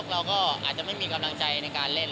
เราก็อาจจะไม่มีกำลังใจในการเล่น